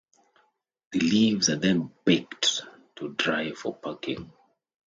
The leaves are then baked to dry for packing.